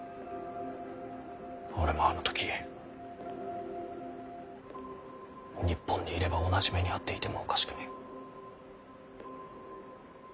俺もあの時日本にいれば同じ目に遭っていてもおかしくねぇ。